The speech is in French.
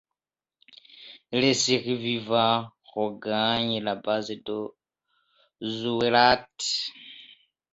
Les survivants regagnent la base de Zouerate.